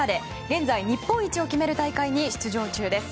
現在日本一を決める大会に出場中です。